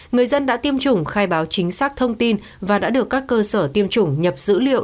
người dân đã tiêm chủng khai báo chính xác thông tin và đã được các cơ sở tiêm chủng nhập dữ liệu